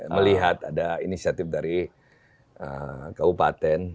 melihat ada inisiatif dari kabupaten